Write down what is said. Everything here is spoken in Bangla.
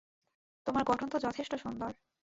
তোমার গঠন তো যথেষ্ট সুন্দর।